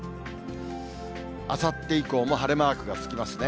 あさって以降も晴れマークがつきますね。